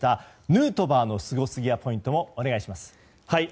ヌートバーのスゴすぎやポイントをお願いします。